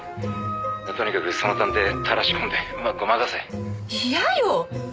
「とにかくその探偵たらしこんでうまくごまかせ」イヤよ！